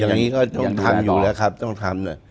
อย่างนี้ก็ต้องทำอยู่แล้วครับต้องทำหน่อย